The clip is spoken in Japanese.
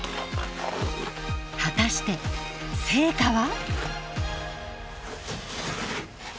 果たして成果は？